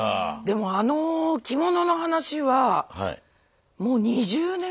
でもあの着物の話はもう２０年ぐらい私は。